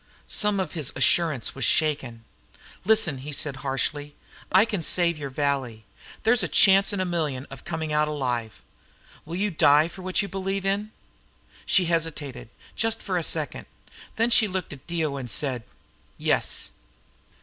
Some of his assurance was shaken. "Listen," he said harshly. "I can save your valley. There's a chance in a million of coming out alive. Will you die for what you believe in?" She hesitated, just for a second. Then she looked at Dio and said, "Yes."